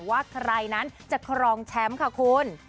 ว่าใครนั้นจะครองแชมป์ค่ะคุณ